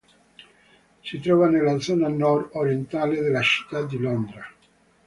Si trova nella zona nord-orientale della Città di Londra.